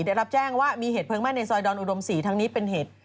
ได้รับแจ้งว่ามีเหตุเพลิงไหม้ในซอยดอนอุดม๔ทั้งนี้เป็นเหตุ